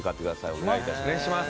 お願い致します。